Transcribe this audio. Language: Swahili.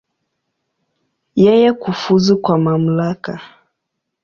Yeye kufuzu kwa mamlaka.